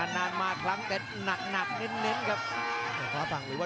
จังหวาดึงซ้ายตายังดีอยู่ครับเพชรมงคล